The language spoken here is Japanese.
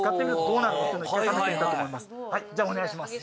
はいじゃお願いします